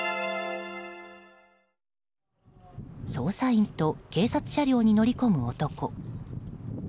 捜査員と警察車両に乗り込む男。